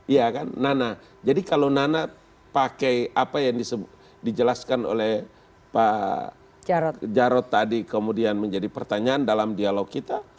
iya kan nana jadi kalau nana pakai apa yang dijelaskan oleh pak jarod tadi kemudian menjadi pertanyaan dalam dialog kita